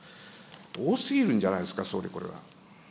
多すぎるんじゃないですか、総理、これは。